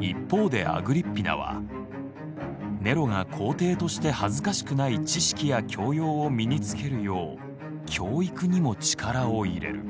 一方でアグリッピナはネロが皇帝として恥ずかしくない知識や教養を身につけるよう教育にも力を入れる。